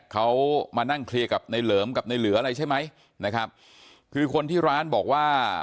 เขามานั่งเคลียร์กับในเหลิมกับในเหลืออะไรใช่ไหมนะครับคือคนที่ร้านบอกว่า